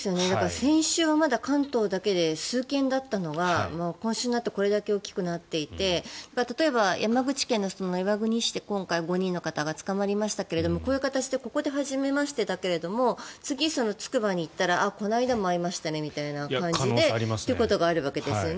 先週はまだ関東だけで数件だったのが、今週になってこれだけ大きくなっていて例えば山口県の岩国市で今回５人の方が捕まりましたけどこういう形でここではじめましてだけれども次、つくばに行ったらこの間も会いましたねみたいな感じということがあるわけですよね。